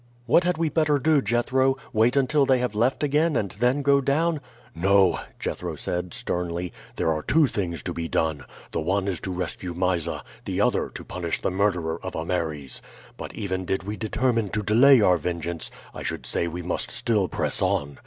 "What had we better do, Jethro? Wait until they have left again, and then go down?" "No," Jethro said sternly. "There are two things to be done the one is to rescue Mysa; the other to punish the murderer of Ameres. But even did we determine to delay our vengeance I should say we must still press on.